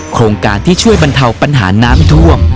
โครงการที่ช่วยบรรเทาปัญหาน้ำท่วม